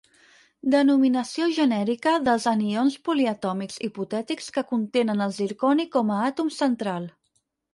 Denominació genèrica dels anions poliatòmics hipotètics que contenen el zirconi com a àtom central.